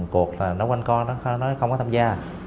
cuộc đó nó quanh co nó không có tham gia